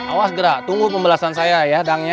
awas gerak tunggu pembelasan saya ya dangnya